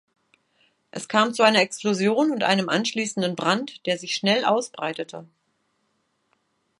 Es kam zu einer Explosion und einem anschließenden Brand, der sich schnell ausbreitete.